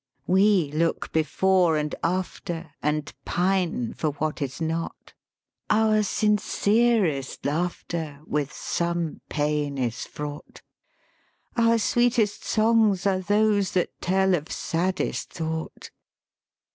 "We look before and after, And pine for what is not: Our sincerest laughter With some pain is fraught; Our sweetest songs are those that tell of saddest thought.